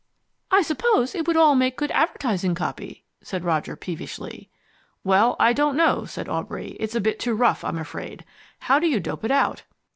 "I suppose it would all make good advertising copy?" said Roger peevishly. "Well, I don't know" said Aubrey. "It's a bit too rough, I'm afraid. How do you dope it out?"